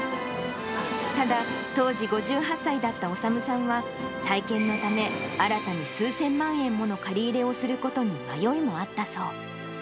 ただ、当時５８歳だった修さんは、再建のため、新たに数千万円もの借り入れをすることに迷いもあったそう。